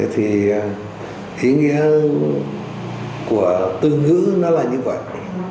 thế thì ý nghĩa của từ ngữ nó là như vậy